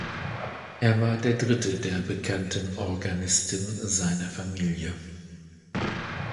Er war der dritte der bekannten Organisten seiner Familie.